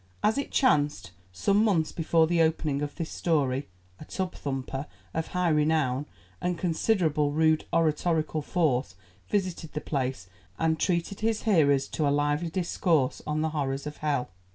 As it chanced, some months before the opening of this story, a tub thumper, of high renown and considerable rude oratorical force, visited the place, and treated his hearers to a lively discourse on the horrors of Hell.